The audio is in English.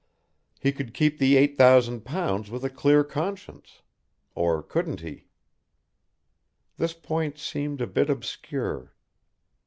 He could keep the eight thousand pounds with a clear conscience or couldn't he? This point seemed a bit obscure.